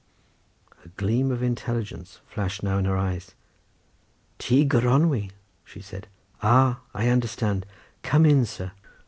A gleam of intelligence flashed now in her eyes. "Tŷ Gronwy," she said, "ah! I understand. Come in, sir."